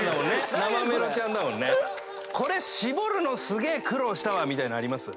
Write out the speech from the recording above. これ搾るのすげえ苦労したわみたいなのあります？